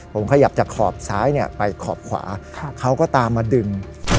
ผมขยับจากขอบซ้ายไปขอบขวาเขาก็ตามมาดึง